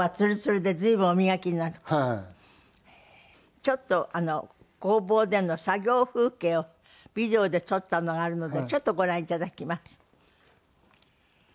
ちょっと工房での作業風景をビデオで撮ったのがあるのでちょっとご覧頂きます。